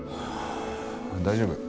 大丈夫。